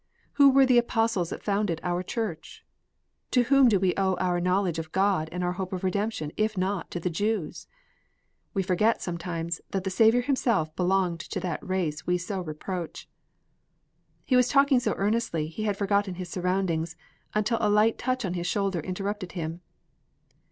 Who were the apostles that founded our Church? To whom do we owe our knowledge of God and our hope of redemption, if not to the Jews? We forget, sometimes, that the Savior himself belonged to that race we so reproach." He was talking so earnestly, he had forgotten his surroundings, until a light touch on his shoulder interrupted him.